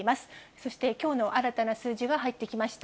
そしてきょうの新たな数字が入ってきました。